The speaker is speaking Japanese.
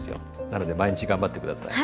なので毎日頑張って下さい。